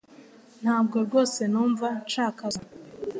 Ntabwo rwose numva nshaka gusoma